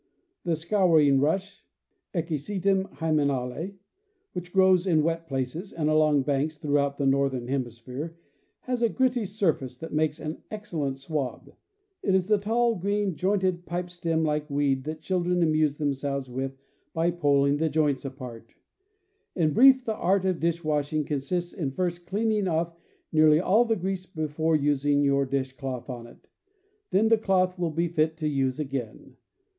The scouring rush (Equisetum hymenale), which grows in wet places and along banks throughout the northern hemisphere, has a gritty surface that makes an excel lent swab. It is the tall, green, jointed, pipe stem like 164 CAMPING AND WOODCRAFT weed that children amuse themselves with, by pulling the joints apart. In brief, the art of dish washing consists in first cleaning off nearly all the grease before using your dish cloth on it. Then the cloth will be fit to use again.